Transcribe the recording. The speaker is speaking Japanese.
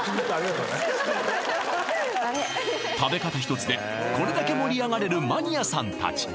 食べ方一つでこれだけ盛り上がれるマニアさん達